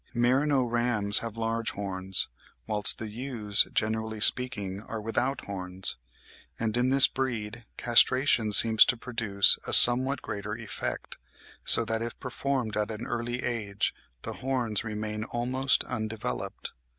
Merino rams have large horns, whilst the ewes "generally speaking are without horns"; and in this breed castration seems to produce a somewhat greater effect, so that if performed at an early age the horns "remain almost undeveloped."